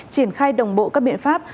triển khai đồng bộ các biện pháp